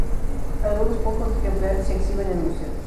Algunos pocos ejemplares se exhiben en museos.